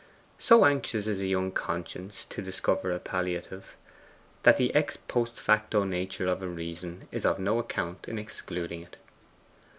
So anxious is a young conscience to discover a palliative, that the ex post facto nature of a reason is of no account in excluding it.